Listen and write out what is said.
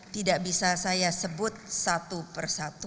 tidak bisa saya sebut satu per satu